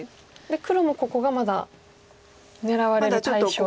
黒もここがまだ狙われる対象と。